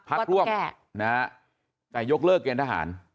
พักร่วมแต่ยกเลิกเกณฑ์ทหาร